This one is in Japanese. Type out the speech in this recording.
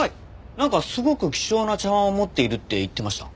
なんかすごく希少な茶碗を持っているって言ってました。